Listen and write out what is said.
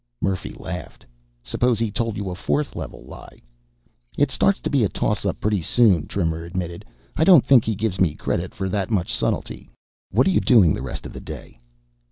Murphy laughed. "Suppose he told you a fourth level lie?" "It starts to be a toss up pretty soon," Trimmer admitted. "I don't think he gives me credit for that much subtlety.... What are you doing the rest of the day?"